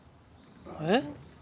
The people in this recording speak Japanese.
えっ？